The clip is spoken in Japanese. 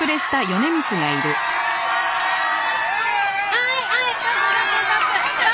はーいはい！